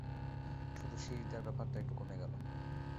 শুধু শিস দেওয়ার ব্যাপারটা একটু কমে গেল।